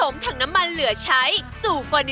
แม่บ้านทารวย